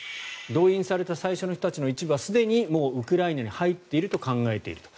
動員された最初の人たちの一部はすでにもうウクライナに入っていると考えていると。